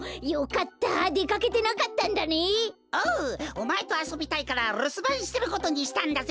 おまえとあそびたいからるすばんしてることにしたんだぜ！